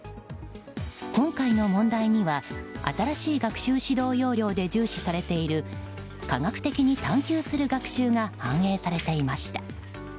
今回の問題には、新しい学習指導要領で重視されている科学的に探究する学習が反映されていました。